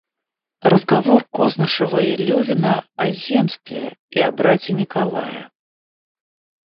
Разговор Кознышева и Левина о земстве и о брате Николае.